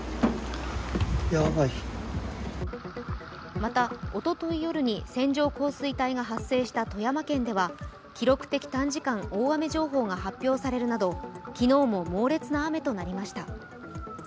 また、おととい夜に線状降水帯が発生した富山県では記録的短時間大雨情報が発表されるなど、昨日も猛烈な雨となりました。